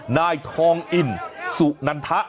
นายทองอินสุนันทะ